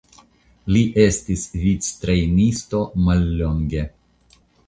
Li estis victrejnisto mallonge.